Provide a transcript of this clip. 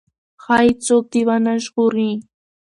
ښايي څوک دې ونه ژغوري.